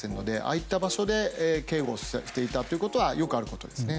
あいった場所で警護していたことはよくあることですね。